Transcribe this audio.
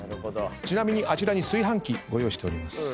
ちなみにあちらに炊飯器ご用意しております。